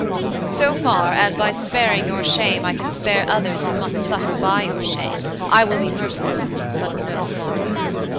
So far as by sparing your shame I can spare others who must suffer by your shame, I will be merciful, but no further.